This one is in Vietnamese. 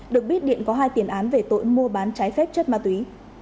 được biết điện có hai tiền án về tội mua bán trái phép chất ma túy